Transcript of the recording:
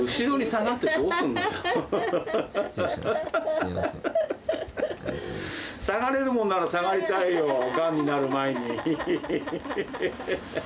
下がれるもんなら下がりたいよ、がんになる前に。